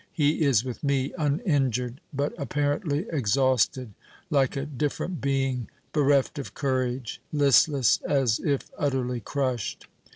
He is with me, uninjured, but apparently exhausted; like a different being, bereft of courage, listless as if utterly crushed.